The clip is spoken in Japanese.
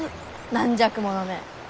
軟弱者め！